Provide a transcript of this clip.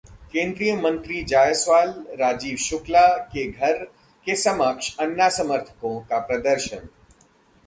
केन्द्रीय मंत्री जायसवाल, राजीव शुक्ला के घर के समक्ष अन्ना समर्थको का प्रदर्शन